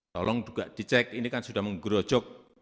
tolong juga dicek ini kan sudah menggerojok